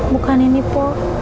bukan ini po